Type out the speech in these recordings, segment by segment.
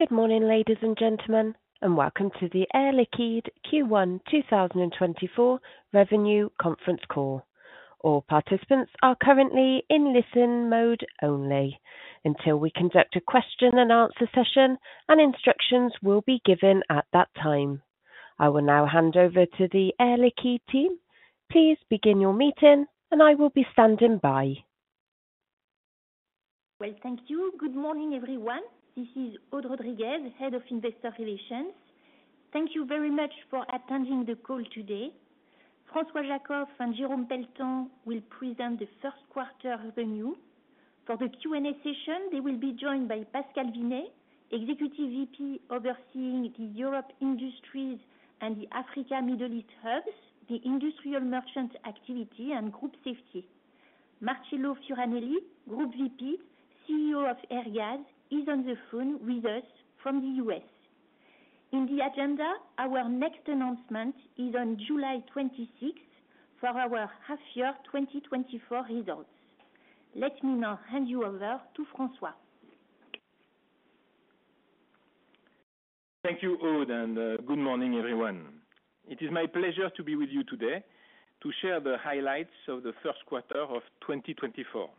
Good morning, ladies and gentlemen, and welcome to the Air Liquide Q1 2024 revenue conference call. All participants are currently in listen mode only. Until we conduct a question-and-answer session, instructions will be given at that time. I will now hand over to the Air Liquide team. Please begin your meeting, and I will be standing by. Well, thank you. Good morning, everyone. This is Aude Rodriguez, head of investor relations. Thank you very much for attending the call today. François Jackow and Jérôme Pelletan will present the first quarter revenue. For the Q&A session, they will be joined by Pascal Vinet, Executive VP overseeing the Europe industries and the Africa Middle East hubs, the industrial merchant activity, and group safety. Marcelo Fioranelli, Group VP, CEO of Airgas, is on the phone with us from the U.S. In the agenda, our next announcement is on July 26 for our half-year 2024 results. Let me now hand you over to François. Thank you, Aude, and good morning, everyone. It is my pleasure to be with you today to share the highlights of the first quarter of 2024.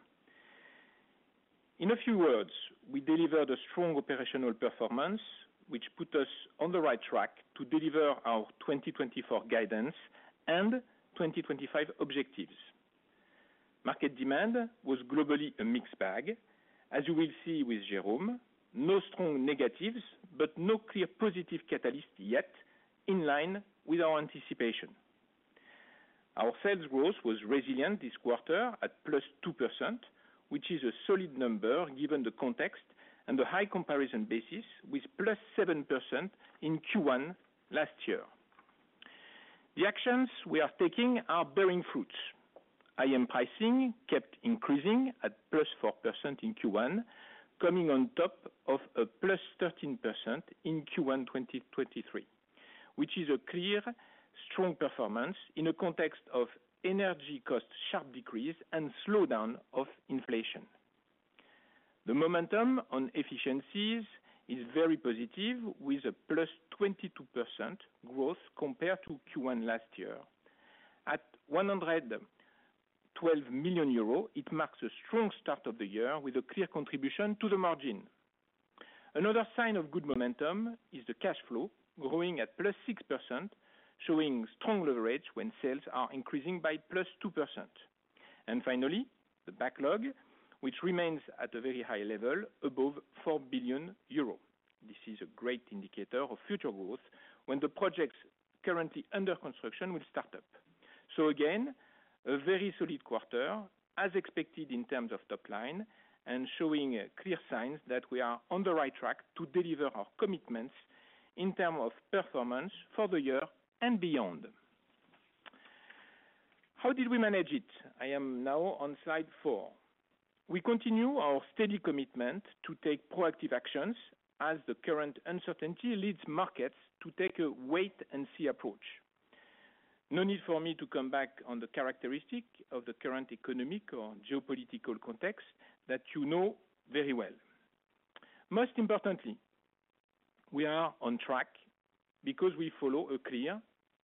In a few words, we delivered a strong operational performance, which put us on the right track to deliver our 2024 guidance and 2025 objectives. Market demand was globally a mixed bag. As you will see with Jérôme, no strong negatives, but no clear positive catalyst yet in line with our anticipation. Our sales growth was resilient this quarter at +2%, which is a solid number given the context and the high comparison basis with +7% in Q1 last year. The actions we are taking are bearing fruits. IM pricing kept increasing at +4% in Q1, coming on top of a +13% in Q1 2023, which is a clear, strong performance in a context of energy cost sharp decrease and slowdown of inflation. The momentum on efficiencies is very positive, with a +22% growth compared to Q1 last year. At 112 million euro, it marks a strong start of the year with a clear contribution to the margin. Another sign of good momentum is the cash flow growing at +6%, showing strong leverage when sales are increasing by +2%. Finally, the backlog, which remains at a very high level above 4 billion euro. This is a great indicator of future growth when the projects currently under construction will start up. So again, a very solid quarter, as expected in terms of top line, and showing clear signs that we are on the right track to deliver our commitments in terms of performance for the year and beyond. How did we manage it? I am now on slide four. We continue our steady commitment to take proactive actions as the current uncertainty leads markets to take a wait-and-see approach. No need for me to come back on the characteristic of the current economic or geopolitical context that you know very well. Most importantly, we are on track because we follow a clear,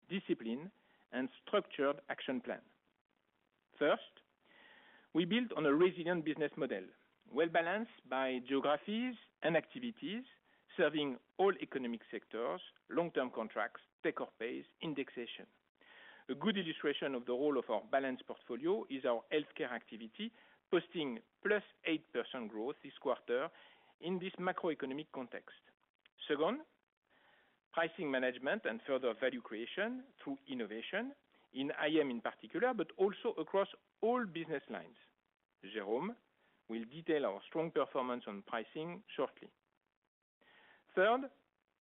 disciplined, and structured action plan. First, we built on a resilient business model well balanced by geographies and activities, serving all economic sectors, long-term contracts, take-or-pay, indexation. A good illustration of the role of our balanced portfolio is our healthcare activity, posting +8% growth this quarter in this macroeconomic context. Second, pricing management and further value creation through innovation in IM in particular, but also across all business lines. Jérôme will detail our strong performance on pricing shortly. Third,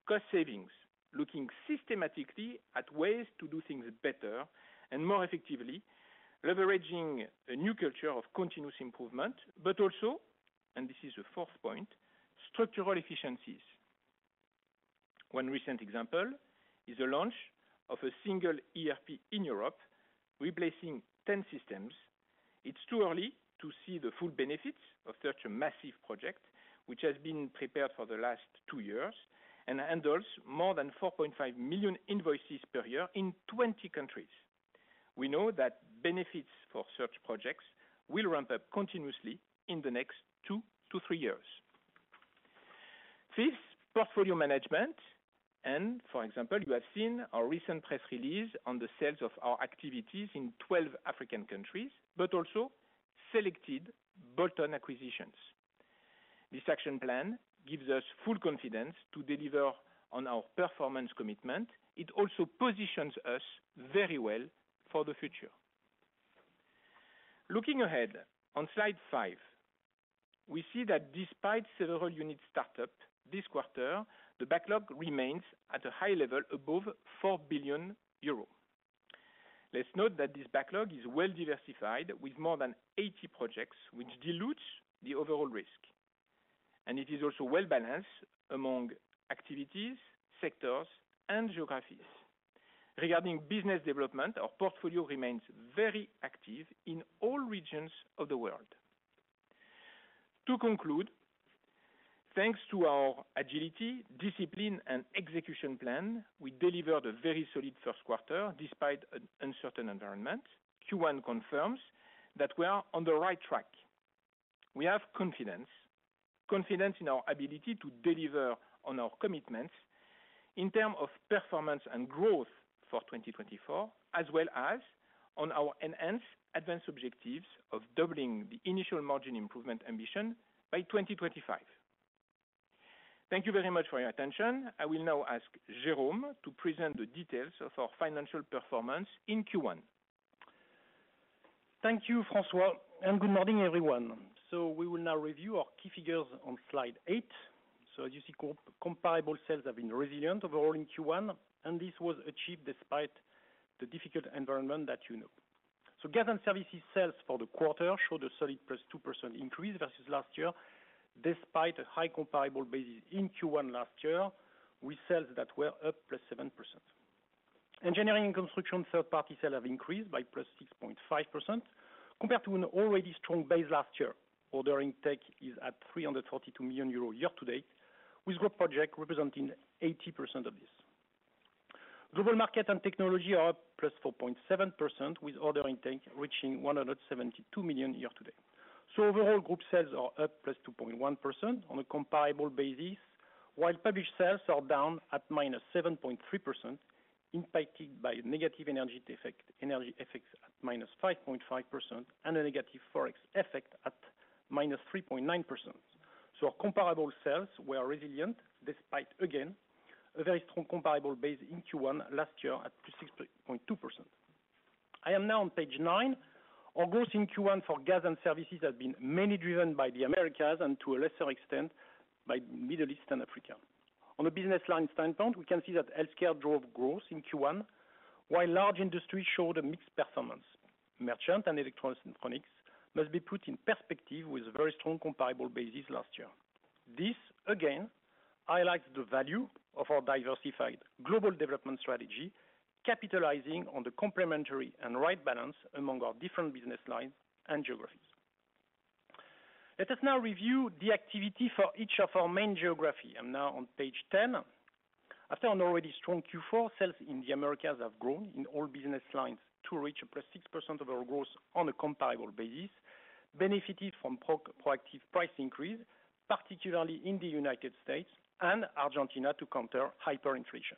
cost savings, looking systematically at ways to do things better and more effectively, leveraging a new culture of continuous improvement, but also, and this is the fourth point, structural efficiencies. One recent example is the launch of a single ERP in Europe, replacing 10 systems. It's too early to see the full benefits of such a massive project, which has been prepared for the last two years and handles more than 4.5 million invoices per year in 20 countries. We know that benefits for such projects will ramp up continuously in the next two to three years. Fifth, portfolio management. For example, you have seen our recent press release on the sales of our activities in 12 African countries, but also selected bolt-on acquisitions. This action plan gives us full confidence to deliver on our performance commitment. It also positions us very well for the future. Looking ahead on slide 5, we see that despite several unit startups this quarter, the backlog remains at a high level above 4 billion euros. Let's note that this backlog is well diversified with more than 80 projects, which dilutes the overall risk. It is also well balanced among activities, sectors, and geographies. Regarding business development, our portfolio remains very active in all regions of the world. To conclude, thanks to our agility, discipline, and execution plan, we delivered a very solid first quarter despite an uncertain environment. Q1 confirms that we are on the right track. We have confidence, confidence in our ability to deliver on our commitments in terms of performance and growth for 2024, as well as on our enhanced advance objectives of doubling the initial margin improvement ambition by 2025. Thank you very much for your attention. I will now ask Jérôme to present the details of our financial performance in Q1. Thank you, François, and good morning, everyone. So we will now review our key figures on slide 8. So as you see, comparable sales have been resilient overall in Q1, and this was achieved despite the difficult environment that you know. So gas and services sales for the quarter showed a solid +2% increase versus last year, despite a high comparable basis in Q1 last year with sales that were up +7%. Engineering and construction third-party sales have increased by +6.5% compared to an already strong base last year. Order intake is at 332 million euro year to date, with group project representing 80% of this. Global market and technology are up +4.7%, with order intake reaching 172 million year to date. So overall, group sales are up +2.1% on a comparable basis, while published sales are down at -7.3%, impacted by negative energy effects at -5.5% and a negative forex effect at -3.9%. So our comparable sales were resilient despite, again, a very strong comparable base in Q1 last year at +6.2%. I am now on page 9. Our growth in Q1 for gas and services has been mainly driven by the Americas and, to a lesser extent, by the Middle East and Africa. On a business line standpoint, we can see that Healthcare drove growth in Q1, while Large Industries showed a mixed performance. Merchant and electronics must be put in perspective with a very strong comparable basis last year. This, again, highlights the value of our diversified global development strategy, capitalizing on the complementary and right balance among our different business lines and geographies. Let us now review the activity for each of our main geographies. I'm now on page 10. After an already strong Q4, sales in the Americas have grown in all business lines to reach a +6% growth on a comparable basis, benefited from proactive price increases, particularly in the United States and Argentina to counter hyperinflation.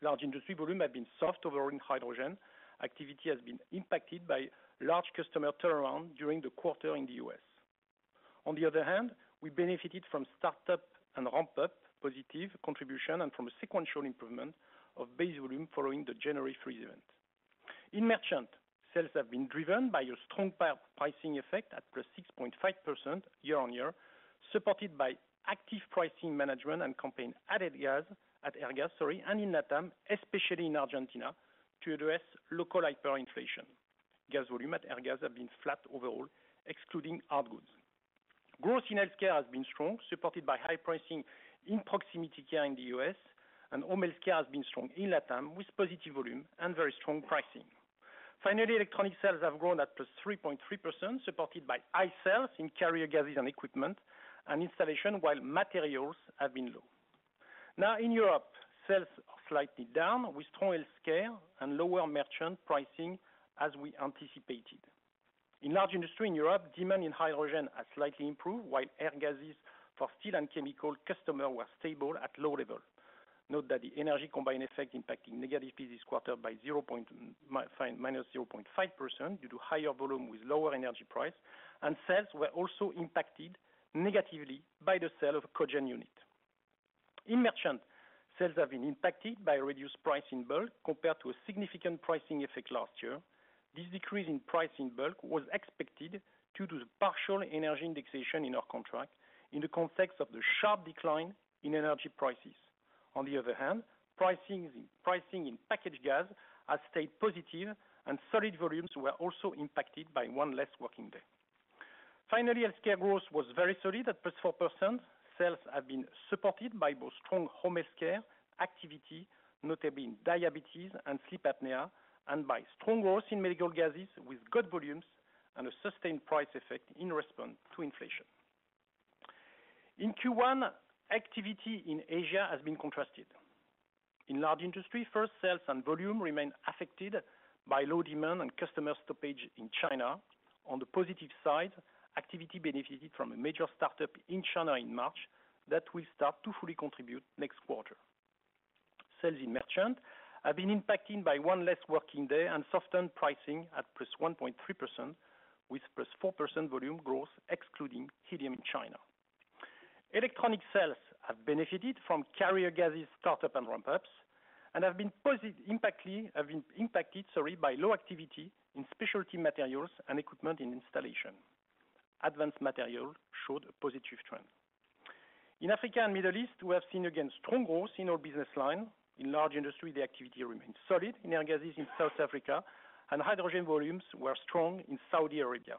Large Industries volume has been soft overall in hydrogen. Activity has been impacted by large customer turnaround during the quarter in the U.S. On the other hand, we benefited from startup and ramp-up positive contribution and from a sequential improvement of base volume following the January freeze event. In merchant, sales have been driven by a strong pricing effect at +6.5% year-on-year, supported by active pricing management and campaign-added gas at Airgas, sorry, and in LATAM, especially in Argentina, to address local hyperinflation. Gas volume at Airgas has been flat overall, excluding hard goods. Growth in healthcare has been strong, supported by high pricing in proximity care in the U.S. Home healthcare has been strong in LATAM with positive volume and very strong pricing. Finally, electronic sales have grown at +3.3%, supported by high sales in carrier gases and equipment and installation, while materials have been low. Now, in Europe, sales are slightly down with strong healthcare and lower merchant pricing as we anticipated. In Large Industries in Europe, demand in hydrogen has slightly improved, while air gases for steel and chemical customers were stable at low level. Note that the energy combined effect impacted negatively this quarter by -0.5% due to higher volume with lower energy price. Sales were also impacted negatively by the sale of a cogen unit. In merchant, sales have been impacted by reduced price in bulk compared to a significant pricing effect last year. This decrease in price in bulk was expected due to the partial energy indexation in our contract in the context of the sharp decline in energy prices. On the other hand, pricing in packaged gas has stayed positive, and solid volumes were also impacted by one less working day. Finally, healthcare growth was very solid at +4%. Sales have been supported by both strong home healthcare activity, notably in diabetes and sleep apnea, and by strong growth in medical gases with good volumes and a sustained price effect in response to inflation. In Q1, activity in Asia has been contrasted. In large industries, sales and volume remain affected by low demand and customer stoppage in China. On the positive side, activity benefited from a major startup in China in March that will start to fully contribute next quarter. Sales in merchant have been impacted by one less working day and softened pricing at +1.3% with +4% volume growth excluding helium in China. Electronics sales have benefited from carrier gases startup and ramp-ups and have been impacted by low activity in specialty materials and equipment in installation. Advanced Materials showed a positive trend. In Africa and Middle East, we have seen, again, strong growth in all business lines. In Large Industries, the activity remained solid in air gases in South Africa, and hydrogen volumes were strong in Saudi Arabia.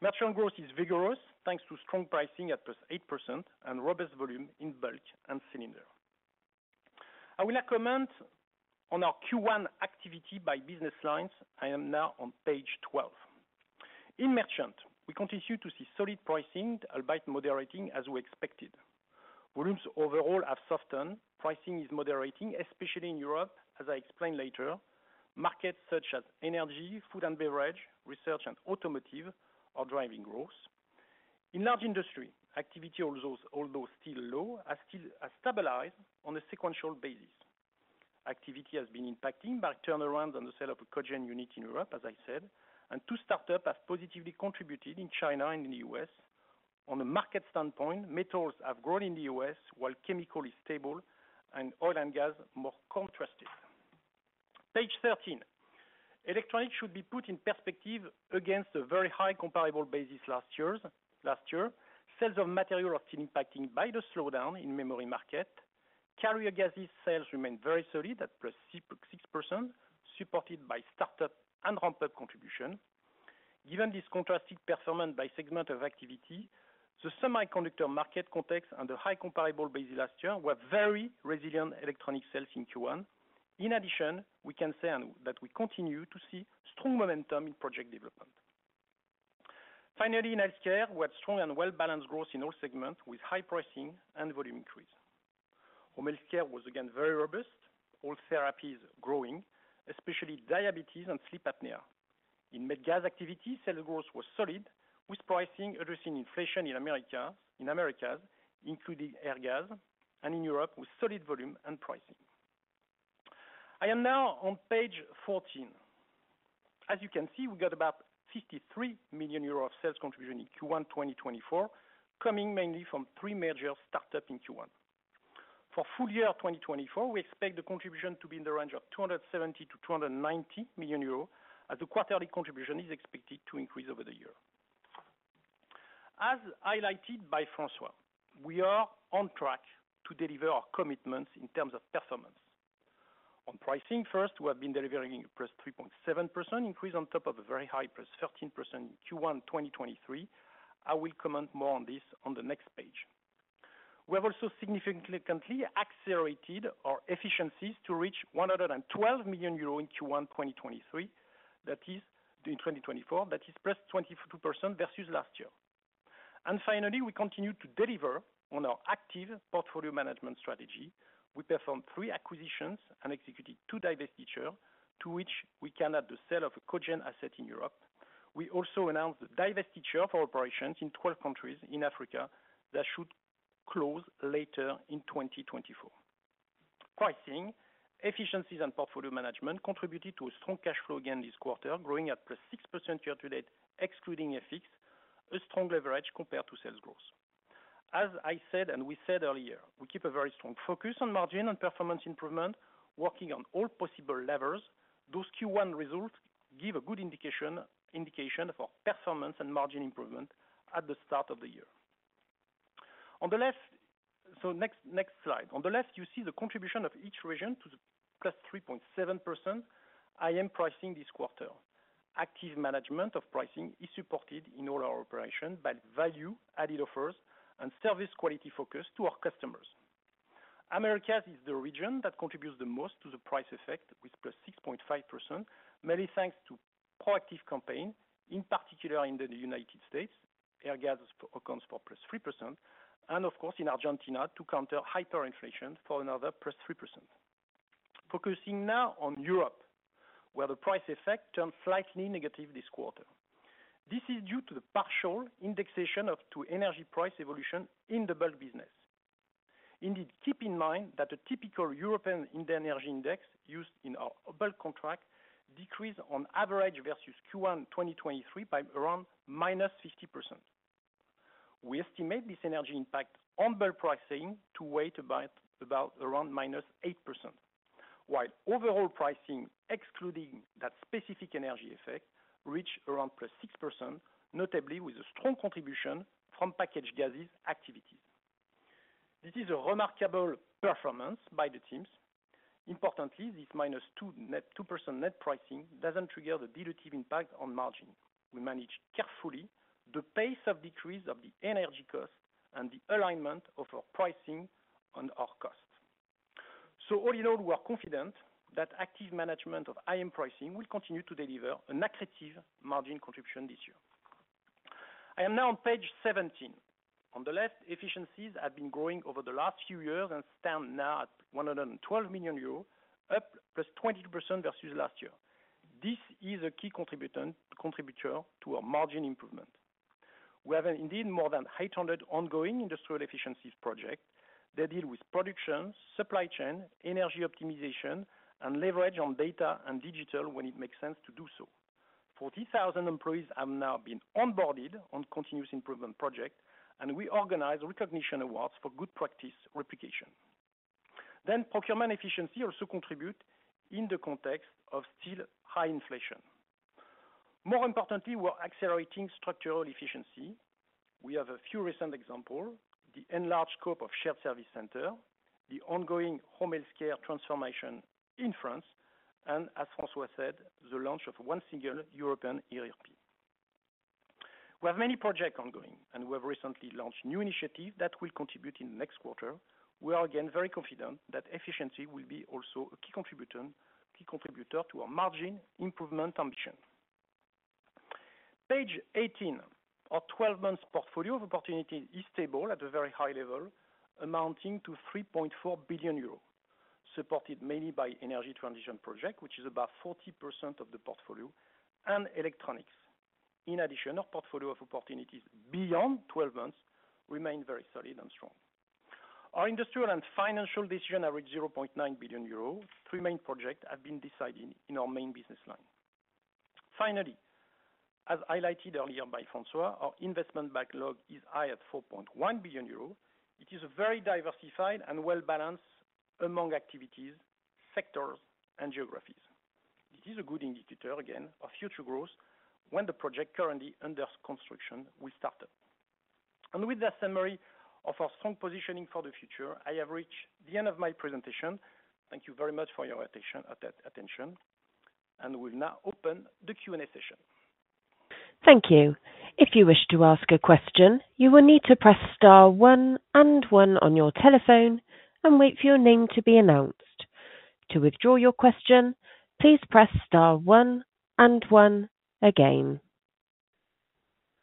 Merchant growth is vigorous thanks to strong pricing at +8% and robust volume in bulk and cylinder. I will now comment on our Q1 activity by business lines. I am now on page 12. In merchant, we continue to see solid pricing, albeit moderating as we expected. Volumes overall have softened. Pricing is moderating, especially in Europe, as I explained later. Markets such as energy, food and beverage, research, and automotive are driving growth. In large industry, activity, although still low, has stabilized on a sequential basis. Activity has been impacted by turnarounds on the sale of a cogen unit in Europe, as I said. Two startups have positively contributed in China and in the U.S. On a market standpoint, metals have grown in the U.S. while chemical is stable and oil and gas more contrasted. Page 13. Electronics should be put in perspective against a very high comparable basis last year. Sales of material are still impacted by the slowdown in memory market. Carrier gases sales remain very solid at +6%, supported by startup and ramp-up contribution. Given this contrasted performance by segment of activity, the semiconductor market context and the high comparable basis last year were very resilient electronic sales in Q1. In addition, we can say that we continue to see strong momentum in project development. Finally, in healthcare, we had strong and well-balanced growth in all segments with high pricing and volume increase. Home healthcare was, again, very robust, all therapies growing, especially diabetes and sleep apnea. In med gas activity, sales growth was solid with pricing addressing inflation in Americas, including air gas, and in Europe with solid volume and pricing. I am now on page 14. As you can see, we got about 53 million euros of sales contribution in Q1 2024, coming mainly from three major startups in Q1. For full year 2024, we expect the contribution to be in the range of 270 million-290 million euros as the quarterly contribution is expected to increase over the year. As highlighted by François, we are on track to deliver our commitments in terms of performance. On pricing first, we have been delivering a +3.7% increase on top of a very high +13% in Q1 2023. I will comment more on this on the next page. We have also significantly accelerated our efficiencies to reach 112 million euro in Q1 2024, that is, +22% versus last year. And finally, we continue to deliver on our active portfolio management strategy. We performed three acquisitions and executed two divestitures, to which we can add the sale of a cogen asset in Europe. We also announced the divestiture for operations in 12 countries in Africa that should close later in 2024. Pricing, efficiencies, and portfolio management contributed to a strong cash flow again this quarter, growing at +6% year to date, excluding FX, a strong leverage compared to sales growth. As I said and we said earlier, we keep a very strong focus on margin and performance improvement, working on all possible levers. Those Q1 results give a good indication for performance and margin improvement at the start of the year. So next slide. On the left, you see the contribution of each region to the +3.7% IM pricing this quarter. Active management of pricing is supported in all our operations by value-added offers and service quality focus to our customers. Americas is the region that contributes the most to the price effect with +6.5%, mainly thanks to proactive campaigns, in particular in the United States, Airgas accounts for +3%, and, of course, in Argentina to counter hyperinflation for another +3%. Focusing now on Europe, where the price effect turned slightly negative this quarter. This is due to the partial indexation of two energy price evolutions in the bulk business. Indeed, keep in mind that the typical European industrial energy index used in our bulk contract decreased on average versus Q1 2023 by around -50%. We estimate this energy impact on bulk pricing to weigh about around -8%, while overall pricing, excluding that specific energy effect, reached around +6%, notably with a strong contribution from packaged gases activities. This is a remarkable performance by the teams. Importantly, this -2% net pricing doesn't trigger the dilutive impact on margin. We manage carefully the pace of decrease of the energy cost and the alignment of our pricing and our costs. So all in all, we are confident that active management of IM pricing will continue to deliver an accretive margin contribution this year. I am now on page 17. On the left, efficiencies have been growing over the last few years and stand now at 112 million euros, up +22% versus last year. This is a key contributor to our margin improvement. We have, indeed, more than 800 ongoing industrial efficiencies projects that deal with production, supply chain, energy optimization, and leverage on data and digital when it makes sense to do so. 40,000 employees have now been onboarded on continuous improvement projects, and we organize recognition awards for good practice replication. Then, procurement efficiency also contributes in the context of still high inflation. More importantly, we are accelerating structural efficiency. We have a few recent examples: the enlarged scope of shared service center, the ongoing home healthcare transformation in France, and, as François said, the launch of one single European ERP. We have many projects ongoing, and we have recently launched new initiatives that will contribute in the next quarter. We are, again, very confident that efficiency will be also a key contributor to our margin improvement ambition. Page 18. Our 12-month portfolio of opportunities is stable at a very high level, amounting to 3.4 billion euros, supported mainly by energy transition projects, which is about 40% of the portfolio, and electronics. In addition, our portfolio of opportunities beyond 12 months remains very solid and strong. Our industrial and financial decisions are at 0.9 billion euros. Three main projects have been decided in our main business line. Finally, as highlighted earlier by François, our investment backlog is high at 4.1 billion euros. It is very diversified and well-balanced among activities, sectors, and geographies. This is a good indicator, again, of future growth when the project currently under construction will start up. And with that summary of our strong positioning for the future, I have reached the end of my presentation. Thank you very much for your attention. And we will now open the Q&A session. Thank you. If you wish to ask a question, you will need to press star one and one on your telephone and wait for your name to be announced. To withdraw your question, please press star one and one again.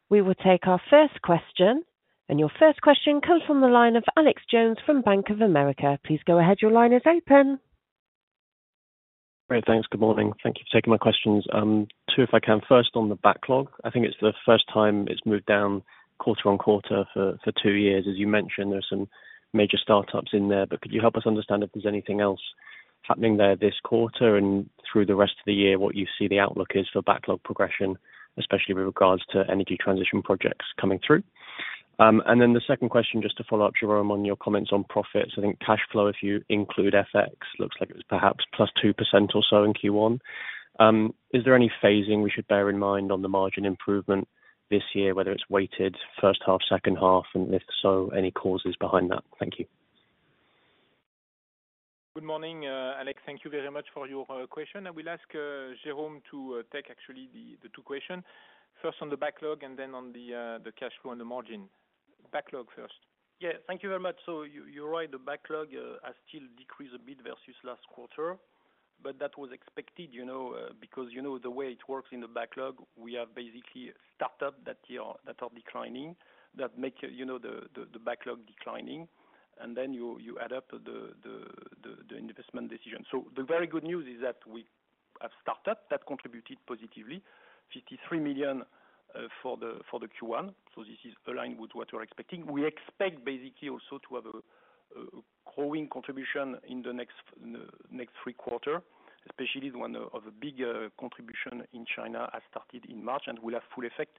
We will take our first question, and your first question comes from the line of Alex Jones from Bank of America. Please go ahead. Your line is open. Great. Thanks. Good morning. Thank you for taking my questions. Two, if I can. First, on the backlog. I think it's the first time it's moved down quarter-on-quarter for two years. As you mentioned, there are some major startups in there. But could you help us understand if there's anything else happening there this quarter and through the rest of the year, what you see the outlook is for backlog progression, especially with regards to energy transition projects coming through? And then the second question, just to follow up, Jérôme, on your comments on profits. I think cash flow, if you include FX, looks like it was perhaps +2% or so in Q1. Is there any phasing we should bear in mind on the margin improvement this year, whether it's weighted, first half, second half, and if so, any causes behind that? Thank you. Good morning, Alex. Thank you very much for your question. I will ask Jérôme to take, actually, the two questions. First, on the backlog, and then on the cash flow and the margin. Backlog first. Yeah. Thank you very much. So you're right. The backlog has still decreased a bit versus last quarter, but that was expected because the way it works in the backlog, we have basically startups that are declining that make the backlog declining, and then you add up the investment decision. So the very good news is that we have startups that contributed positively, 53 million for the Q1. So this is aligned with what we're expecting. We expect, basically, also to have a growing contribution in the next three quarters, especially when a big contribution in China has started in March and will have full effect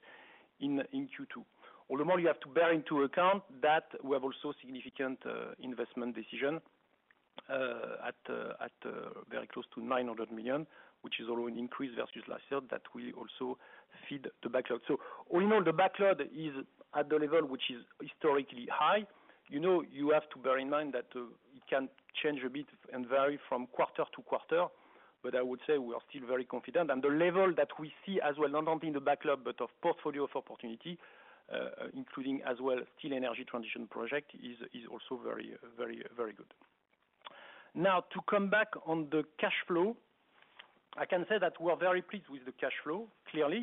in Q2. All in all, you have to bear into account that we have also significant investment decisions at very close to 900 million, which is also an increase versus last year that will also feed the backlog. So all in all, the backlog is at the level which is historically high. You have to bear in mind that it can change a bit and vary from quarter to quarter. I would say we are still very confident. The level that we see as well, not only in the backlog but of portfolio of opportunity, including as well still energy transition projects, is also very, very, very good. Now, to come back on the cash flow, I can say that we are very pleased with the cash flow. Clearly,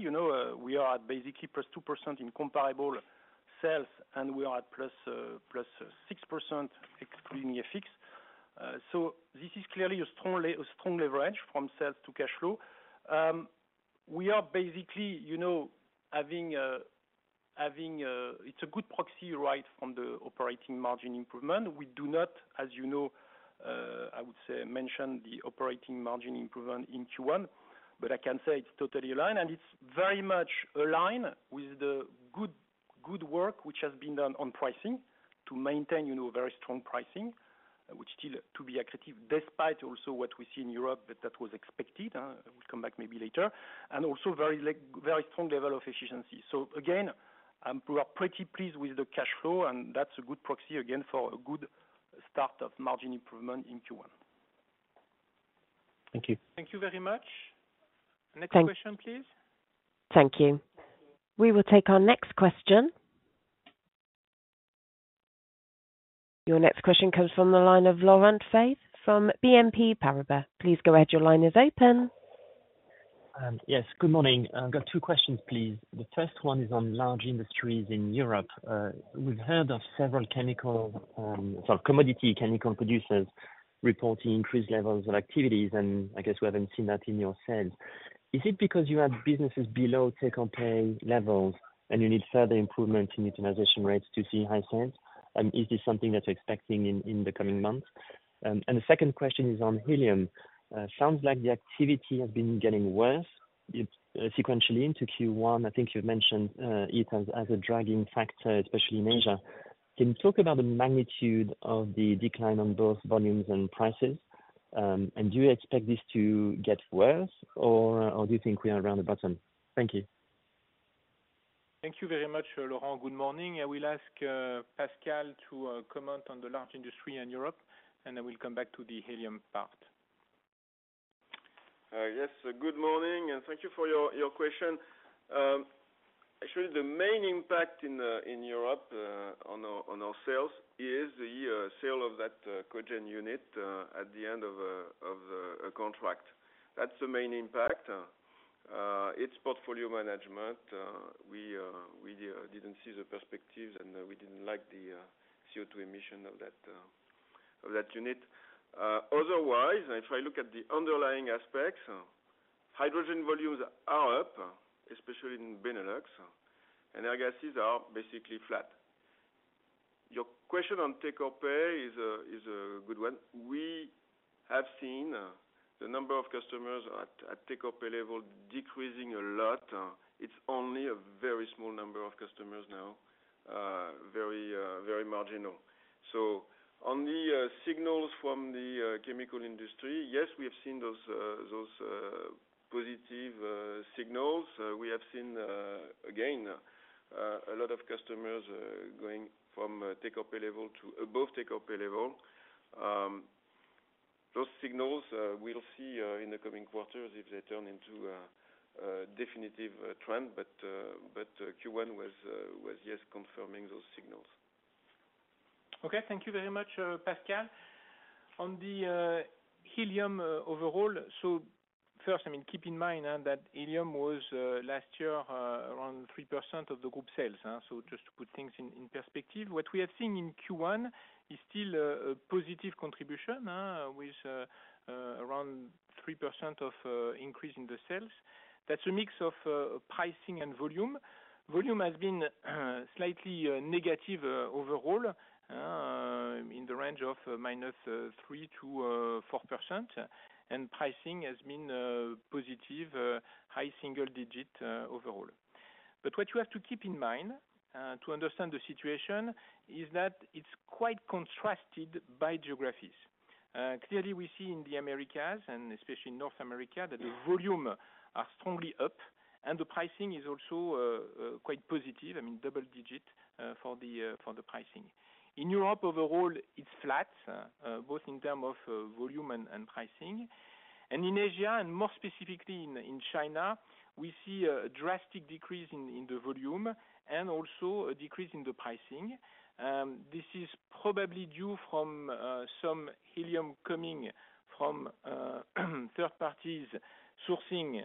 we are at basically +2% in comparable sales, and we are at +6% excluding FX. So this is clearly a strong leverage from sales to cash flow. We are basically having it's a good proxy right from the operating margin improvement. We do not, as you know, I would say, mention the operating margin improvement in Q1. But I can say it's totally aligned, and it's very much aligned with the good work which has been done on pricing to maintain very strong pricing, which is still to be accretive despite also what we see in Europe that was expected. We'll come back maybe later. And also very strong level of efficiency. So again, we are pretty pleased with the cash flow, and that's a good proxy, again, for a good start of margin improvement in Q1. Thank you. Thank you very much. Next question, please. Thank you. We will take our next question. Your next question comes from the line of Jean-Laurent Bonnafé from BNP Paribas. Please go ahead. Your line is open. Yes. Good morning. I've got two questions, please. The first one is on large industries in Europe. We've heard of several commodity chemical producers reporting increased levels of activities, and I guess we haven't seen that in your sales. Is it because you have businesses below take-or-pay levels, and you need further improvements in utilization rates to see high sales? Is this something that you're expecting in the coming months? And the second question is on helium. Sounds like the activity has been getting worse sequentially into Q1. I think you've mentioned it as a dragging factor, especially in Asia. Can you talk about the magnitude of the decline on both volumes and prices? And do you expect this to get worse, or do you think we are around the bottom? Thank you. Thank you very much, Laurent. Good morning. I will ask Pascal to comment on the Large Industries in Europe, and I will come back to the helium part. Yes. Good morning, and thank you for your question. Actually, the main impact in Europe on our sales is the sale of that cogen unit at the end of a contract. That's the main impact. It's portfolio management. We didn't see the perspectives, and we didn't like the CO2 emission of that unit. Otherwise, if I look at the underlying aspects, hydrogen volumes are up, especially in Benelux, and air gases are basically flat. Your question on take-or-pay is a good one. We have seen the number of customers at take-or-pay level decreasing a lot. It's only a very small number of customers now, very marginal. So on the signals from the chemical industry, yes, we have seen those positive signals. We have seen, again, a lot of customers going from take-or-pay level to above take-or-pay level. Those signals, we'll see in the coming quarters if they turn into a definitive trend. But Q1 was, yes, confirming those signals. Okay. Thank you very much, Pascal. On the helium overall, so first, I mean, keep in mind that helium was last year around 3% of the group sales. So just to put things in perspective, what we have seen in Q1 is still a positive contribution with around 3% of increase in the sales. That's a mix of pricing and volume. Volume has been slightly negative overall in the range of minus 3%-4%, and pricing has been positive, high single digit overall. But what you have to keep in mind to understand the situation is that it's quite contrasted by geographies. Clearly, we see in the Americas, and especially North America, that the volumes are strongly up, and the pricing is also quite positive, I mean, double digit for the pricing. In Europe, overall, it's flat, both in terms of volume and pricing. In Asia, and more specifically in China, we see a drastic decrease in the volume and also a decrease in the pricing. This is probably due to some helium coming from third parties sourcing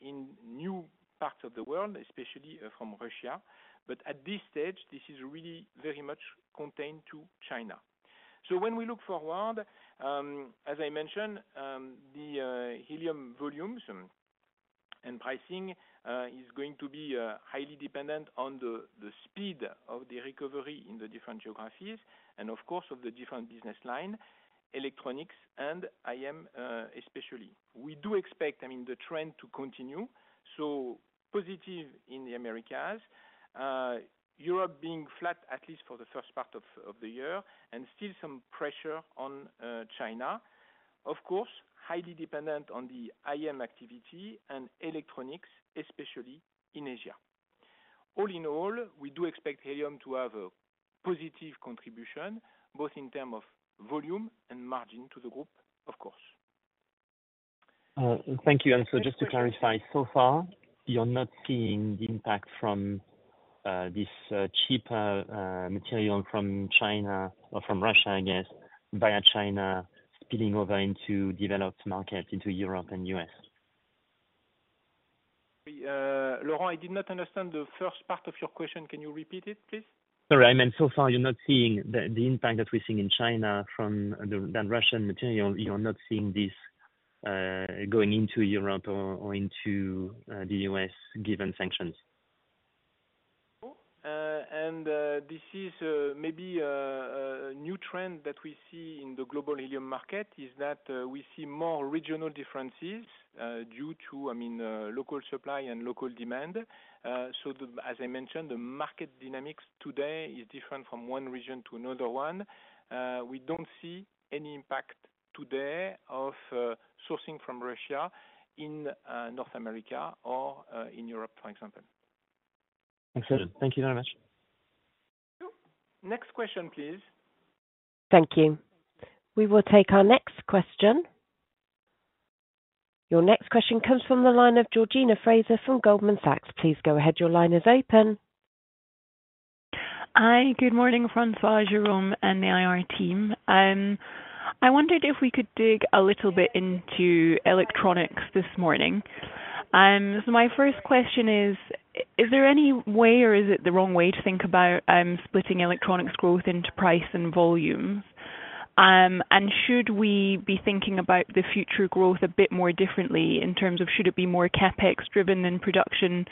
in new parts of the world, especially from Russia. But at this stage, this is really very much contained to China. So when we look forward, as I mentioned, the helium volumes and pricing are going to be highly dependent on the speed of the recovery in the different geographies and, of course, of the different business lines, electronics and IM especially. We do expect, I mean, the trend to continue. So positive in the Americas, Europe being flat at least for the first part of the year, and still some pressure on China, of course, highly dependent on the IM activity and electronics, especially in Asia. All in all, we do expect helium to have a positive contribution, both in terms of volume and margin to the group, of course. Thank you. And so just to clarify, so far, you're not seeing the impact from this cheaper material from China or from Russia, I guess, via China spilling over into developed markets, into Europe and US? Laurent, I did not understand the first part of your question. Can you repeat it, please? Sorry. I meant, so far, you're not seeing the impact that we're seeing in China from that Russian material. You're not seeing this going into Europe or into the US given sanctions. This is maybe a new trend that we see in the global helium market: we see more regional differences due to, I mean, local supply and local demand. As I mentioned, the market dynamics today are different from one region to another one. We don't see any impact today of sourcing from Russia in North America or in Europe, for example. Excellent. Thank you very much. Next question, please. Thank you. We will take our next question. Your next question comes from the line of Georgina Fraser from Goldman Sachs. Please go ahead. Your line is open. Hi. Good morning, François, Jérôme, and the IR team. I wondered if we could dig a little bit into electronics this morning. So my first question is, is there any way, or is it the wrong way, to think about splitting electronics growth into price and volume? And should we be thinking about the future growth a bit more differently in terms of should it be more CapEx-driven than production,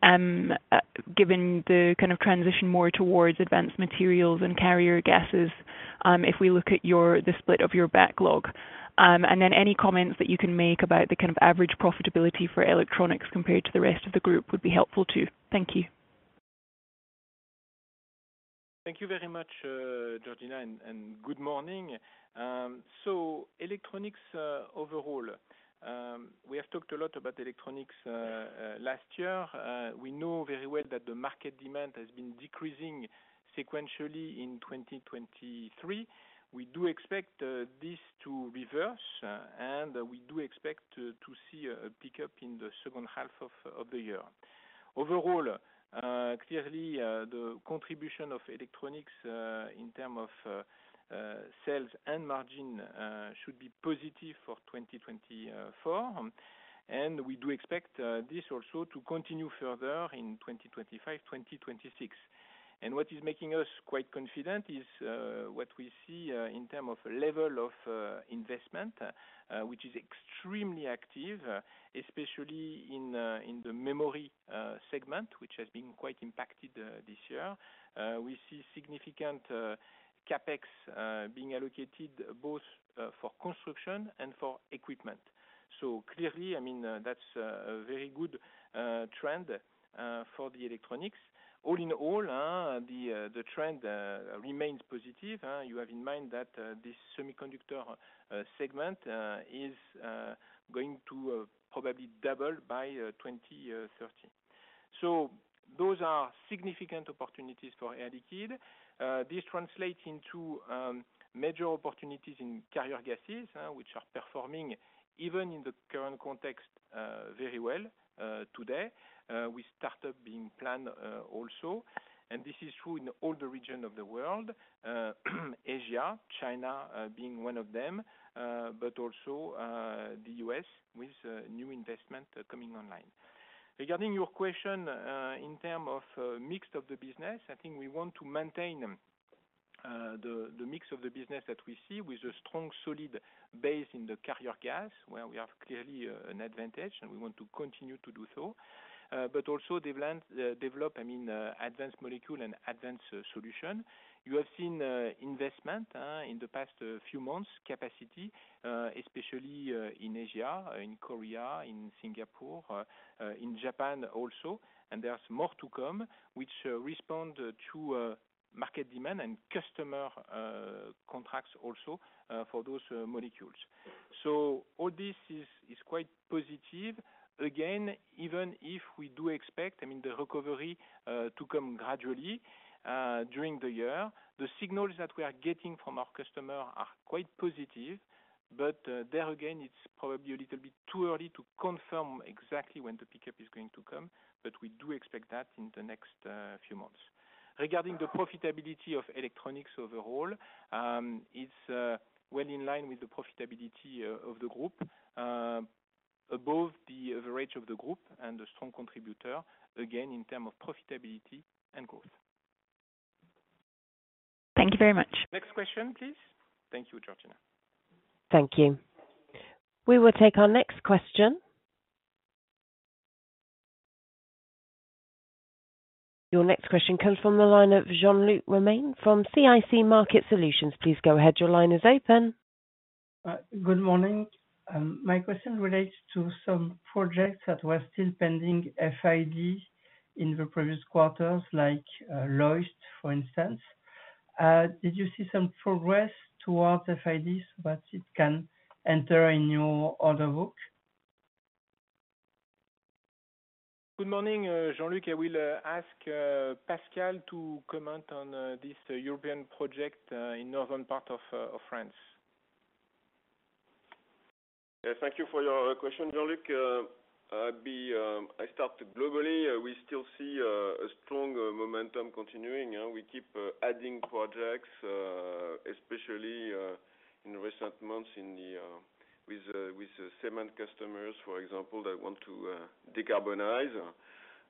given the kind of transition more towards advanced materials and carrier gases if we look at the split of your backlog? And then any comments that you can make about the kind of average profitability for electronics compared to the rest of the group would be helpful too. Thank you. Thank you very much, Georgina, and good morning. Electronics overall, we have talked a lot about electronics last year. We know very well that the market demand has been decreasing sequentially in 2023. We do expect this to reverse, and we do expect to see a pickup in the second half of the year. Overall, clearly, the contribution of electronics in terms of sales and margin should be positive for 2024. We do expect this also to continue further in 2025, 2026. What is making us quite confident is what we see in terms of a level of investment, which is extremely active, especially in the memory segment, which has been quite impacted this year. We see significant CapEx being allocated both for construction and for equipment. Clearly, I mean, that's a very good trend for the electronics. All in all, the trend remains positive. You have in mind that this semiconductor segment is going to probably double by 2030. So those are significant opportunities for Air Liquide. This translates into major opportunities in carrier gases, which are performing even in the current context very well today, with startups being planned also. And this is true in all the regions of the world, Asia, China being one of them, but also the U.S. with new investment coming online. Regarding your question in terms of mix of the business, I think we want to maintain the mix of the business that we see with a strong, solid base in the carrier gas, where we have clearly an advantage, and we want to continue to do so. But also develop advanced molecules and advanced solutions. You have seen investment in the past few months, capacity, especially in Asia, in Korea, in Singapore, in Japan also. And there's more to come, which responds to market demand and customer contracts also for those molecules. So all this is quite positive. Again, even if we do expect, I mean, the recovery to come gradually during the year, the signals that we are getting from our customers are quite positive. But there again, it's probably a little bit too early to confirm exactly when the pickup is going to come. But we do expect that in the next few months. Regarding the profitability of electronics overall, it's well in line with the profitability of the group, above the average of the group and the strong contributor, again, in terms of profitability and growth. Thank you very much. Next question, please. Thank you, Georgina. Thank you. We will take our next question. Your next question comes from the line of Jean-Luc Romain from CIC Market Solutions. Please go ahead. Your line is open. Good morning. My question relates to some projects that were still pending FID in the previous quarters, like LOIST, for instance. Did you see some progress towards FID so that it can enter a new order book? Good morning, Jean-Luc. I will ask Pascal to comment on this European project in the northern part of France. Thank you for your question, Jean-Luc. I started globally. We still see a strong momentum continuing. We keep adding projects, especially in recent months with cement customers, for example, that want to decarbonize.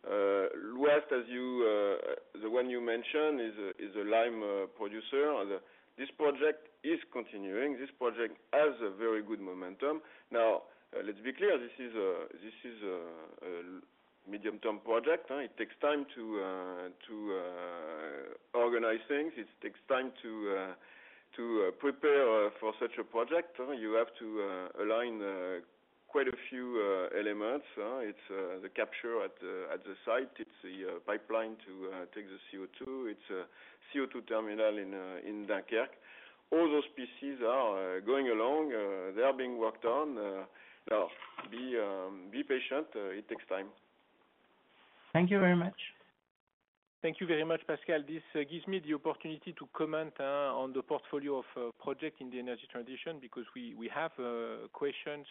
Lhoist, the one you mentioned, is a lime producer. This project is continuing. This project has a very good momentum. Now, let's be clear. This is a medium-term project. It takes time to organize things. It takes time to prepare for such a project. You have to align quite a few elements. It's the capture at the site. It's the pipeline to take the CO2. It's a CO2 terminal in Dunkerque. All those pieces are going along. They are being worked on. Now, be patient. It takes time. Thank you very much. Thank you very much, Pascal. This gives me the opportunity to comment on the portfolio of projects in the energy transition because we have questions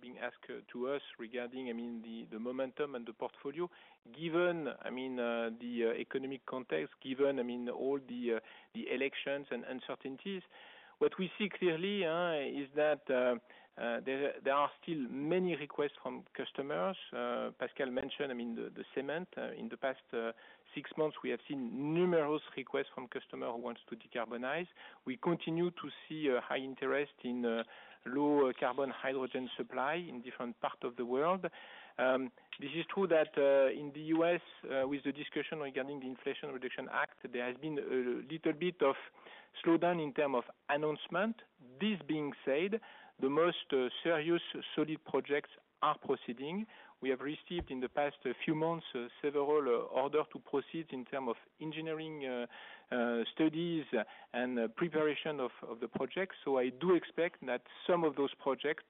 being asked to us regarding, I mean, the momentum and the portfolio, given, I mean, the economic context, given, I mean, all the elections and uncertainties. What we see clearly is that there are still many requests from customers. Pascal mentioned, I mean, the cement. In the past six months, we have seen numerous requests from customers who want to decarbonize. We continue to see high interest in low-carbon hydrogen supply in different parts of the world. This is true that in the U.S., with the discussion regarding the Inflation Reduction Act, there has been a little bit of slowdown in terms of announcement. This being said, the most serious, solid projects are proceeding. We have received in the past few months several orders to proceed in terms of engineering studies and preparation of the projects. I do expect that some of those projects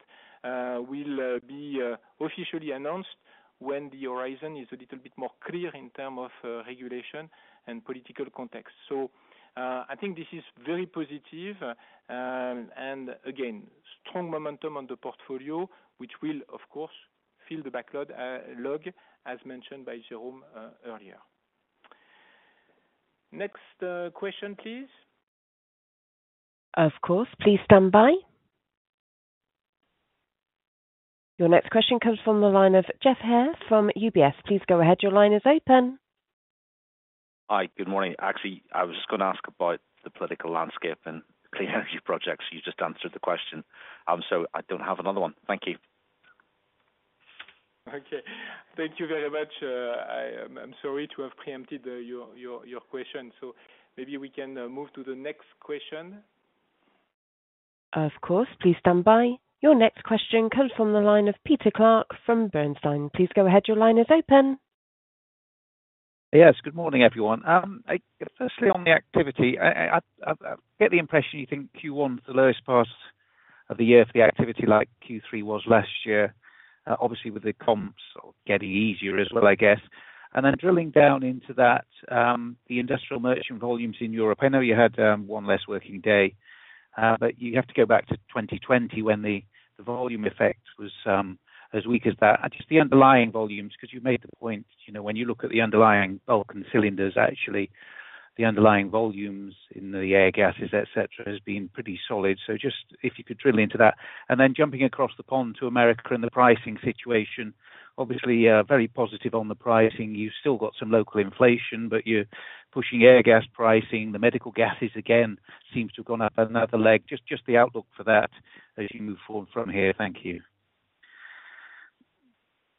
will be officially announced when the horizon is a little bit more clear in terms of regulation and political context. I think this is very positive. Again, strong momentum on the portfolio, which will, of course, fill the backlog, as mentioned by Jérôme earlier. Next question, please. Of course. Please stand by. Your next question comes from the line of Geoff Haire from UBS. Please go ahead. Your line is open. Hi. Good morning. Actually, I was just going to ask about the political landscape and clean energy projects. You just answered the question. So I don't have another one. Thank you. Okay. Thank you very much. I'm sorry to have preempted your question. Maybe we can move to the next question. Of course. Please stand by. Your next question comes from the line of Peter Clark from Bernstein. Please go ahead. Your line is open. Yes. Good morning, everyone. Firstly, on the activity, I get the impression you think Q1 was the lowest part of the year for the activity, like Q3 was last year, obviously with the comps getting easier as well, I guess. And then drilling down into that, the industrial merchant volumes in Europe, I know you had one less working day. But you have to go back to 2020 when the volume effect was as weak as that. Just the underlying volumes, because you made the point, when you look at the underlying bulk and cylinders, actually, the underlying volumes in the air gases, etc., have been pretty solid. So just if you could drill into that. And then jumping across the pond to America and the pricing situation, obviously, very positive on the pricing. You've still got some local inflation, but you're pushing Airgas pricing. The medical gases, again, seem to have gone up another leg. Just the outlook for that as you move forward from here? Thank you.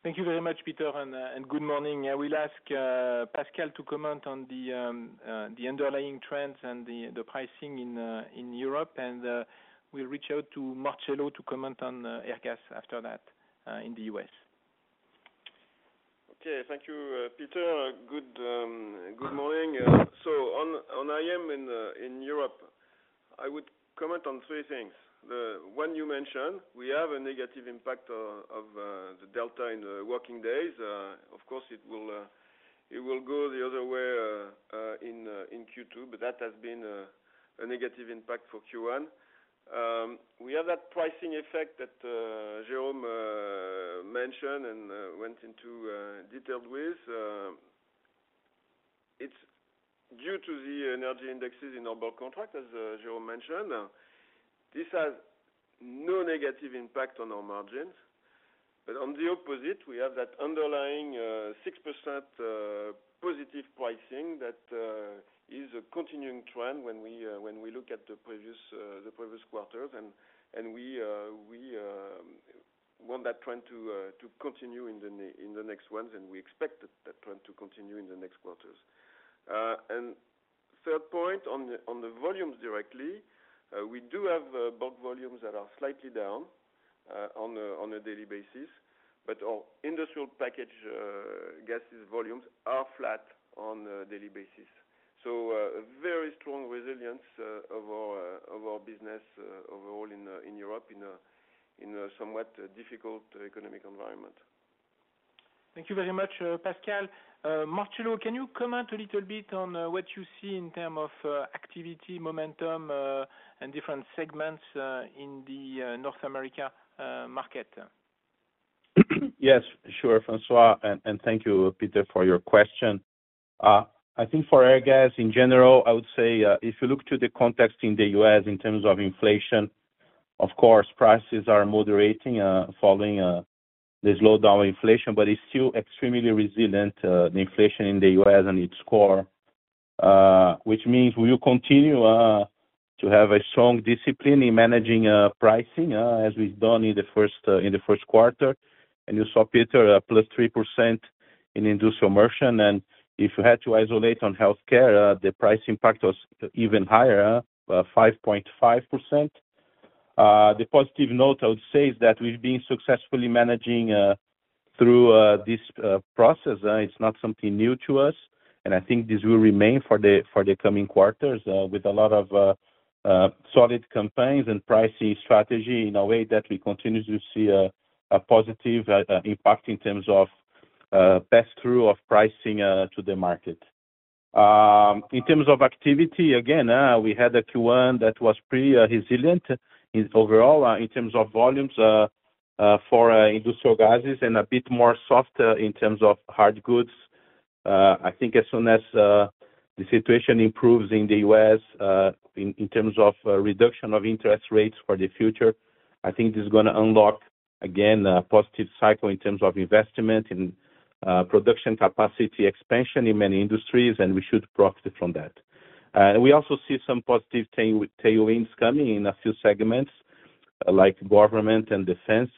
Thank you very much, Peter, and good morning. I will ask Pascal to comment on the underlying trends and the pricing in Europe. We'll reach out to Marcelo to comment on Airgas after that in the U.S. Okay. Thank you, Peter. Good morning. So on IM in Europe, I would comment on three things. The one you mentioned, we have a negative impact of the delta in the working days. Of course, it will go the other way in Q2, but that has been a negative impact for Q1. We have that pricing effect that Jérôme mentioned and went into detail with. It's due to the energy indexes in our bulk contract, as Jérôme mentioned. This has no negative impact on our margins. But on the opposite, we have that underlying 6% positive pricing that is a continuing trend when we look at the previous quarters. And we want that trend to continue in the next ones, and we expect that trend to continue in the next quarters. And third point, on the volumes directly, we do have bulk volumes that are slightly down on a daily basis, but our industrial packaged gases volumes are flat on a daily basis. So very strong resilience of our business overall in Europe in a somewhat difficult economic environment. Thank you very much, Pascal. Marcelo, can you comment a little bit on what you see in terms of activity, momentum, and different segments in the North America market? Yes, sure, François. And thank you, Peter, for your question. I think for Airgas, in general, I would say if you look to the context in the U.S. in terms of inflation, of course, prices are moderating following the slowdown of inflation, but it's still extremely resilient, the inflation in the U.S. and its core, which means we will continue to have a strong discipline in managing pricing as we've done in the first quarter. And you saw, Peter, +3% in Industrial Merchant. And if you had to isolate on Healthcare, the price impact was even higher, 5.5%. The positive note, I would say, is that we've been successfully managing through this process. It's not something new to us. I think this will remain for the coming quarters with a lot of solid campaigns and pricing strategy in a way that we continue to see a positive impact in terms of pass-through of pricing to the market. In terms of activity, again, we had a Q1 that was pretty resilient overall in terms of volumes for industrial gases and a bit more soft in terms of hard goods. I think as soon as the situation improves in the U.S. in terms of reduction of interest rates for the future, I think this is going to unlock, again, a positive cycle in terms of investment in production capacity expansion in many industries, and we should profit from that. We also see some positive tailwinds coming in a few segments like government and defense.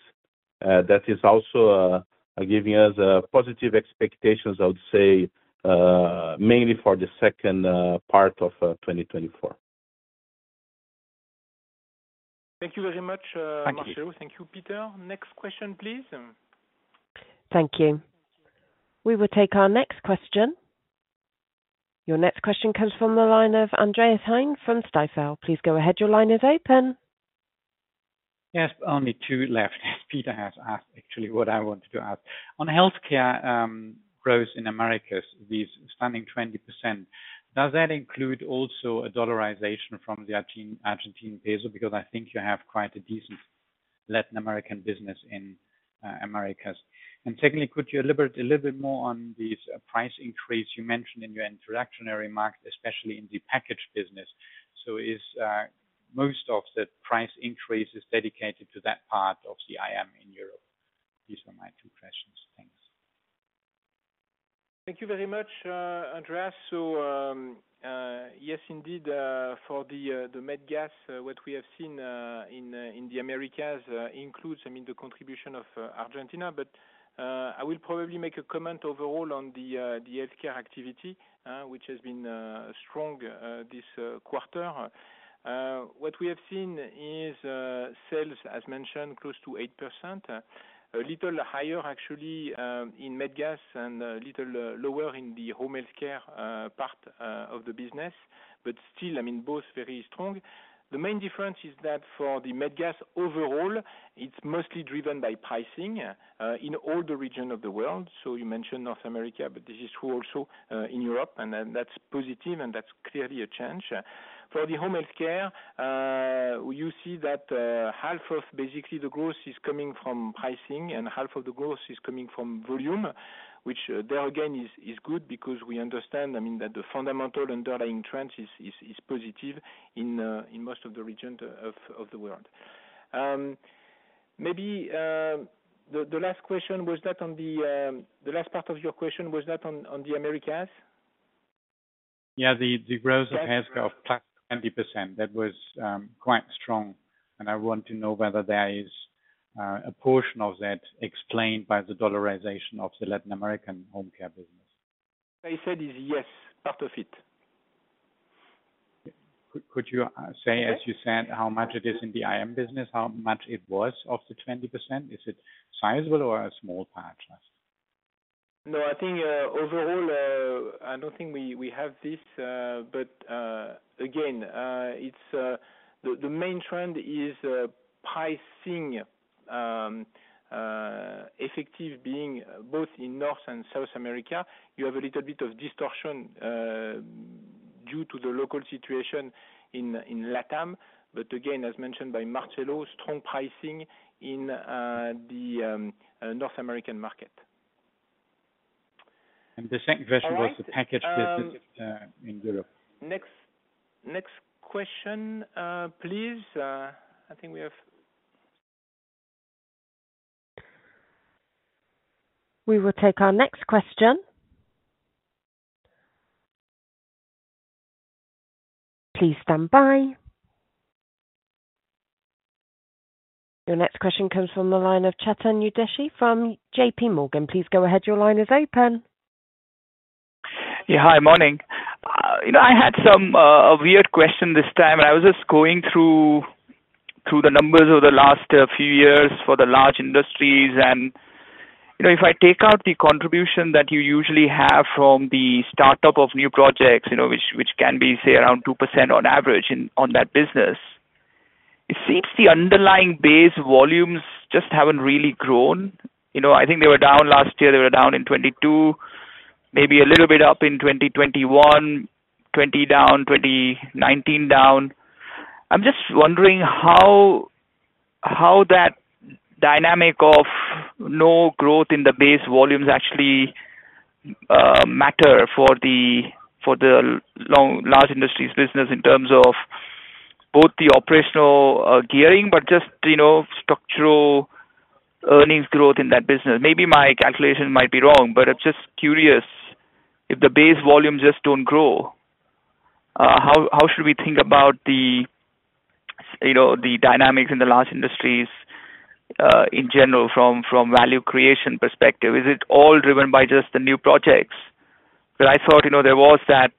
That is also giving us positive expectations, I would say, mainly for the second part of 2024. Thank you very much, Marcelo. Thank you, Peter. Next question, please. Thank you. We will take our next question. Your next question comes from the line of Andreas Heine from Stifel. Please go ahead. Your line is open. Yes. Only two left. Peter has asked, actually, what I wanted to ask. On healthcare growth in Americas, we're standing 20%. Does that include also a dollarization from the Argentine peso? Because I think you have quite a decent Latin American business in Americas. And secondly, could you elaborate a little bit more on this price increase you mentioned in your Industrial Merchant market, especially in the packaged business? So is most of the price increase dedicated to that part of the IM in Europe? These are my two questions. Thanks. Thank you very much, Andreas. So yes, indeed, for the med gas, what we have seen in the Americas includes, I mean, the contribution of Argentina. But I will probably make a comment overall on the healthcare activity, which has been strong this quarter. What we have seen is sales, as mentioned, close to 8%, a little higher, actually, in med gas and a little lower in the home healthcare part of the business, but still, I mean, both very strong. The main difference is that for the med gas overall, it's mostly driven by pricing in all the regions of the world. So you mentioned North America, but this is true also in Europe. And that's positive, and that's clearly a change. For the home healthcare, you see that half of, basically, the growth is coming from pricing, and half of the growth is coming from volume, which, there again, is good because we understand, I mean, that the fundamental underlying trend is positive in most of the regions of the world. Maybe the last question, was that on the last part of your question? Was that on the Americas? Yeah. The growth of healthcare of +20%, that was quite strong. I want to know whether there is a portion of that explained by the dollarization of the Latin American home care business. I said it's yes, part of it. Could you say, as you said, how much it is in the IM business, how much it was of the 20%? Is it sizable or a small part? No. I think overall, I don't think we have this. But again, the main trend is pricing effective being both in North and South America. You have a little bit of distortion due to the local situation in LATAM. But again, as mentioned by Marcelo, strong pricing in the North American market. The second question was the package business in Europe. Next question, please. I think we have. We will take our next question. Please stand by. Your next question comes from the line of Chetan Udeshi from JP Morgan. Please go ahead. Your line is open. Yeah. Hi. Morning. I had some weird question this time. I was just going through the numbers of the last few years for the Large Industries. If I take out the contribution that you usually have from the startup of new projects, which can be, say, around 2% on average on that business, it seems the underlying base volumes just haven't really grown. I think they were down last year. They were down in 2022, maybe a little bit up in 2021, 2020 down, 2019 down. I'm just wondering how that dynamic of no growth in the base volumes actually matter for the Large Industries' business in terms of both the operational gearing but just structural earnings growth in that business. Maybe my calculation might be wrong, but I'm just curious. If the base volumes just don't grow, how should we think about the dynamics in the Large Industries in general from value creation perspective? Is it all driven by just the new projects? Because I thought there was that,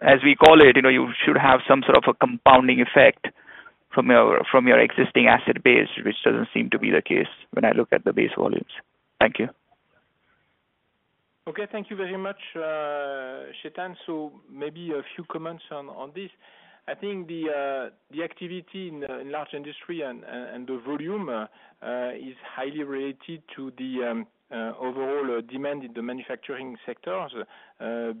as we call it, you should have some sort of a compounding effect from your existing asset base, which doesn't seem to be the case when I look at the base volumes. Thank you. Okay. Thank you very much, Chetan. So maybe a few comments on this. I think the activity in large industry and the volume is highly related to the overall demand in the manufacturing sectors,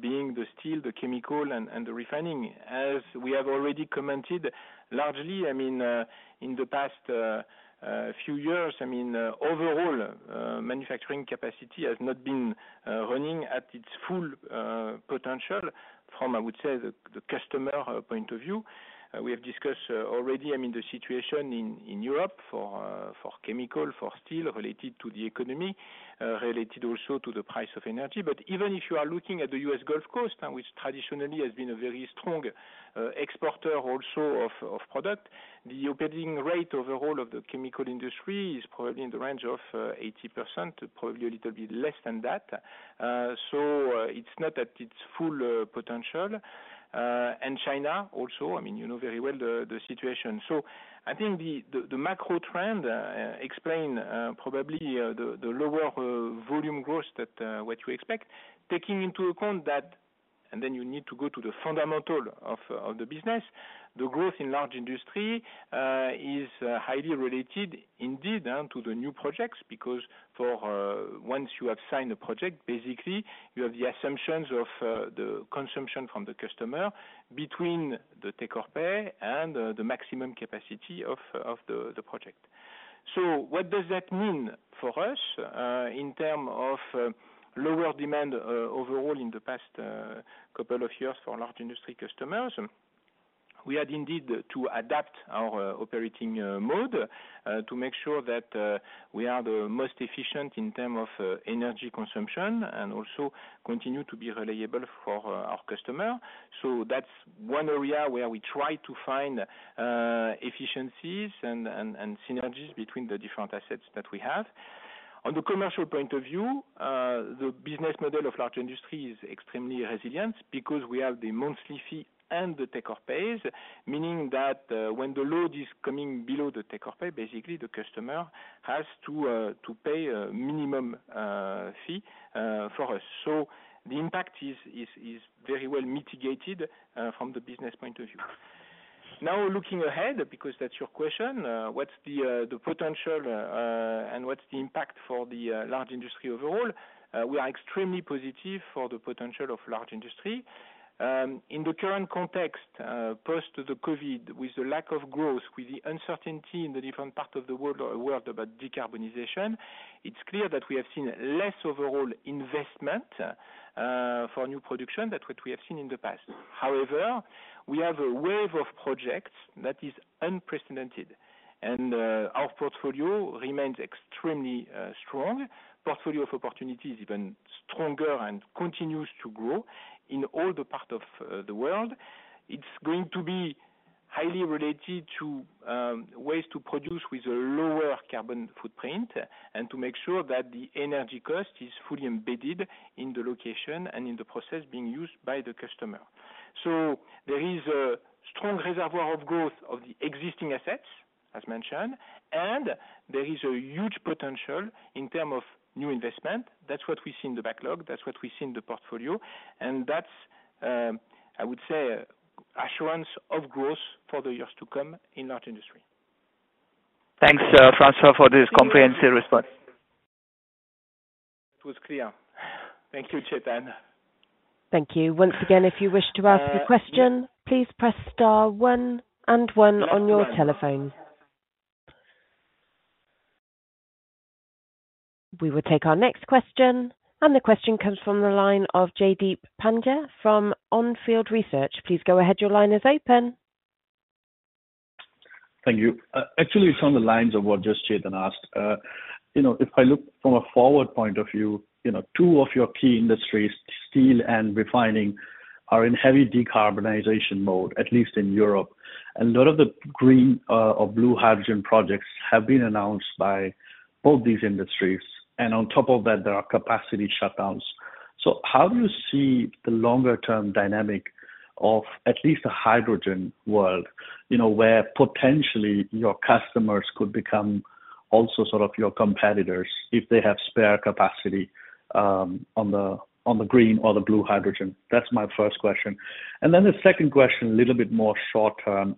being the steel, the chemical, and the refining. As we have already commented, largely, I mean, in the past few years, I mean, overall manufacturing capacity has not been running at its full potential from, I would say, the customer point of view. We have discussed already, I mean, the situation in Europe for chemical, for steel related to the economy, related also to the price of energy. But even if you are looking at the US Gulf Coast, which traditionally has been a very strong exporter also of product, the opening rate overall of the chemical industry is probably in the range of 80%, probably a little bit less than that. So it's not at its full potential. China also, I mean, you know very well the situation. So I think the macro trend explains probably the lower volume growth that what you expect, taking into account that and then you need to go to the fundamental of the business. The growth in Large Industries is highly related, indeed, to the new projects. Because once you have signed a project, basically, you have the assumptions of the consumption from the customer between the take-or-pay and the maximum capacity of the project. So what does that mean for us in terms of lower demand overall in the past couple of years for Large Industries customers? We had indeed to adapt our operating mode to make sure that we are the most efficient in terms of energy consumption and also continue to be reliable for our customer. That's one area where we try to find efficiencies and synergies between the different assets that we have. On the commercial point of view, the business model of large industry is extremely resilient because we have the monthly fee and the take-or-pay, meaning that when the load is coming below the take-or-pay, basically, the customer has to pay a minimum fee for us. The impact is very well mitigated from the business point of view. Now, looking ahead, because that's your question, what's the potential and what's the impact for the large industry overall? We are extremely positive for the potential of large industry. In the current context, post-COVID, with the lack of growth, with the uncertainty in the different parts of the world about decarbonization, it's clear that we have seen less overall investment for new production than what we have seen in the past. However, we have a wave of projects that is unprecedented. Our portfolio remains extremely strong. Portfolio of opportunity is even stronger and continues to grow in all the parts of the world. It's going to be highly related to ways to produce with a lower carbon footprint and to make sure that the energy cost is fully embedded in the location and in the process being used by the customer. There is a strong reservoir of growth of the existing assets, as mentioned. There is a huge potential in terms of new investment. That's what we see in the backlog. That's what we see in the portfolio. That's, I would say, assurance of growth for the years to come in large industry. Thanks, François, for this comprehensive response. That was clear. Thank you, Chetan. Thank you. Once again, if you wish to ask a question, please press star 1 and 1 on your telephone. We will take our next question. The question comes from the line of Jaideep Pandya from On Field Research. Please go ahead. Your line is open. Thank you. Actually, it's on the lines of what just Chetan asked. If I look from a forward point of view, two of your key industries, steel and refining, are in heavy decarbonization mode, at least in Europe. A lot of the green or blue hydrogen projects have been announced by both these industries. And on top of that, there are capacity shutdowns. So how do you see the longer-term dynamic of at least the hydrogen world where potentially your customers could become also sort of your competitors if they have spare capacity on the green or the blue hydrogen? That's my first question. And then the second question, a little bit more short-term,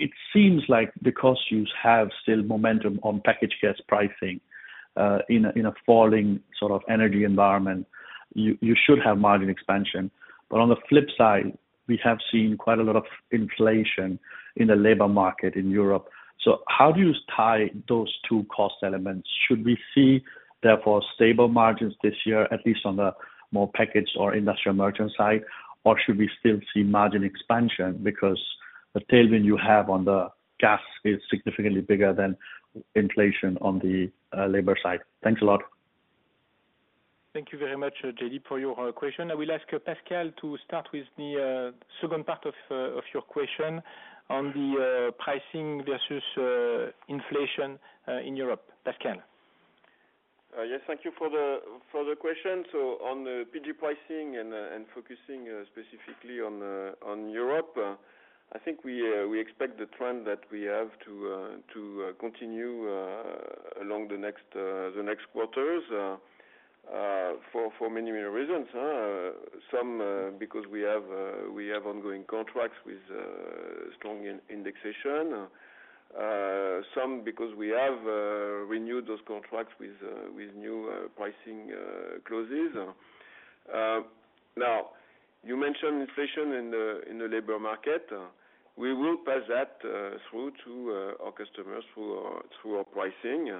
it seems like because you have still momentum on package gas pricing in a falling sort of energy environment, you should have margin expansion. But on the flip side, we have seen quite a lot of inflation in the labor market in Europe. So how do you tie those two cost elements? Should we see, therefore, stable margins this year, at least on the more package or industrial merchant side? Or should we still see margin expansion because the tailwind you have on the gas is significantly bigger than inflation on the labor side? Thanks a lot. Thank you very much, Jaideep, for your question. I will ask Pascal to start with the second part of your question on the pricing versus inflation in Europe. Pascal. Yes. Thank you for the question. So on the PG pricing and focusing specifically on Europe, I think we expect the trend that we have to continue along the next quarters for many, many reasons. Some because we have ongoing contracts with strong indexation, some because we have renewed those contracts with new pricing clauses. Now, you mentioned inflation in the labor market. We will pass that through to our customers through our pricing,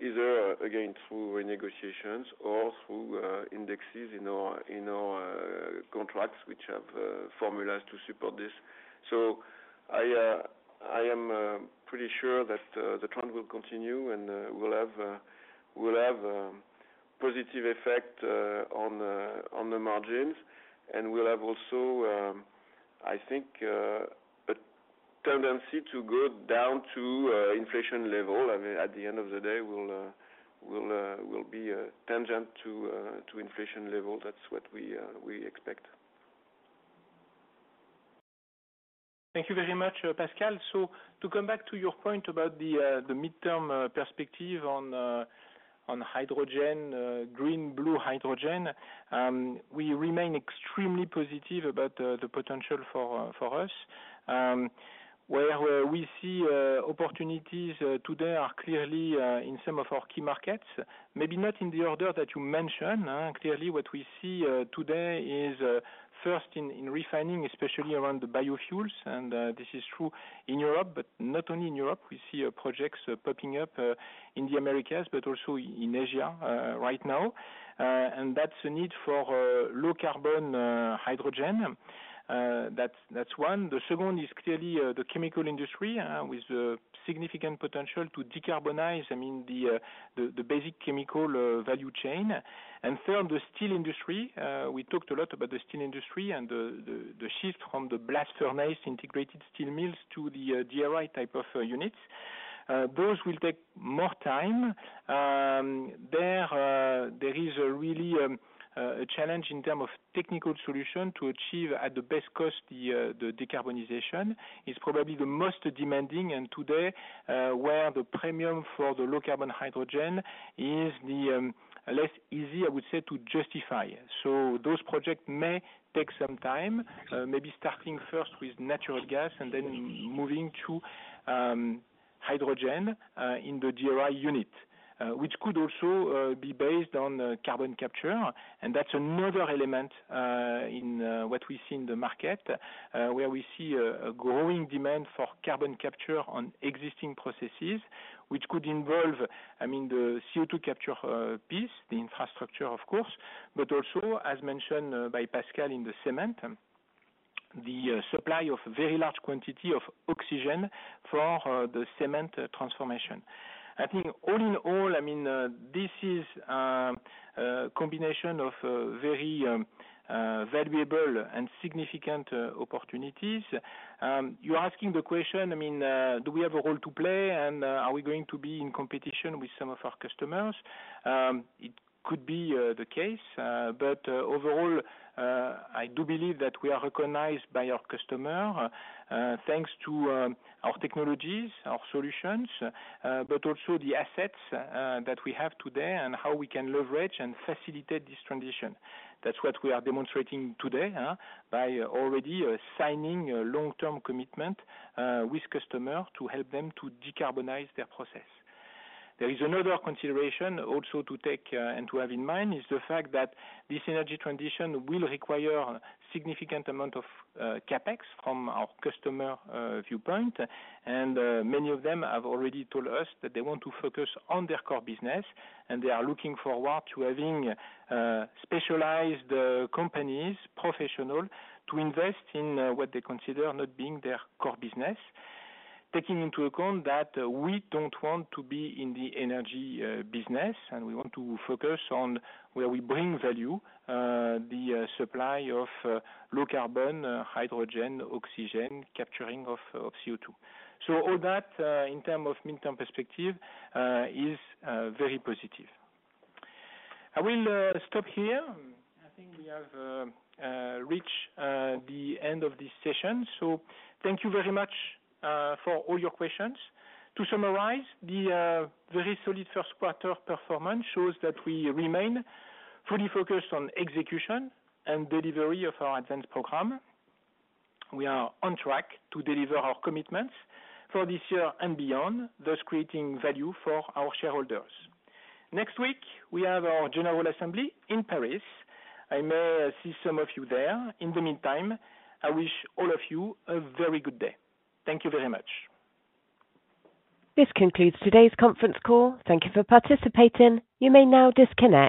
either, again, through renegotiations or through indexes in our contracts, which have formulas to support this. So I am pretty sure that the trend will continue and will have a positive effect on the margins. And we'll have also, I think, a tendency to go down to inflation level. I mean, at the end of the day, we'll be tangent to inflation level. That's what we expect. Thank you very much, Pascal. So to come back to your point about the midterm perspective on green, blue hydrogen, we remain extremely positive about the potential for us, where we see opportunities today are clearly in some of our key markets, maybe not in the order that you mentioned. Clearly, what we see today is first in refining, especially around the biofuels. And this is true in Europe. But not only in Europe, we see projects popping up in the Americas but also in Asia right now. And that's a need for low-carbon hydrogen. That's one. The second is clearly the chemical industry with the significant potential to decarbonize, I mean, the basic chemical value chain. And third, the steel industry. We talked a lot about the steel industry and the shift from the blast furnace integrated steel mills to the DRI type of units. Those will take more time. There is really a challenge in terms of technical solution to achieve at the best cost the decarbonization. It's probably the most demanding and today where the premium for the low-carbon hydrogen is less easy, I would say, to justify. So those projects may take some time, maybe starting first with natural gas and then moving to hydrogen in the DRI unit, which could also be based on carbon capture. And that's another element in what we see in the market where we see a growing demand for carbon capture on existing processes, which could involve, I mean, the CO2 capture piece, the infrastructure, of course, but also, as mentioned by Pascal in the cement, the supply of a very large quantity of oxygen for the cement transformation. I think all in all, I mean, this is a combination of very valuable and significant opportunities. You are asking the question, I mean, do we have a role to play? And are we going to be in competition with some of our customers? It could be the case. But overall, I do believe that we are recognized by our customers thanks to our technologies, our solutions, but also the assets that we have today and how we can leverage and facilitate this transition. That's what we are demonstrating today by already signing a long-term commitment with customers to help them to decarbonize their process. There is another consideration also to take and to have in mind is the fact that this energy transition will require a significant amount of CapEx from our customer viewpoint. Many of them have already told us that they want to focus on their core business. They are looking forward to having specialized companies, professionals, to invest in what they consider not being their core business, taking into account that we don't want to be in the energy business. And we want to focus on where we bring value, the supply of low-carbon hydrogen, oxygen, capturing of CO2. So all that, in terms of midterm perspective, is very positive. I will stop here. I think we have reached the end of this session. So thank you very much for all your questions. To summarize, the very solid first quarter performance shows that we remain fully focused on execution and delivery of our advanced program. We are on track to deliver our commitments for this year and beyond, thus creating value for our shareholders. Next week, we have our general assembly in Paris. I may see some of you there. In the meantime, I wish all of you a very good day. Thank you very much. This concludes today's conference call. Thank you for participating. You may now disconnect.